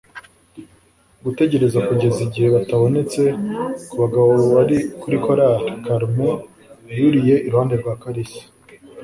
Gutegereza kugeza igihe batabonetse kubagabo bari kuri korali, Carmen yuriye iruhande rwa Kalisa.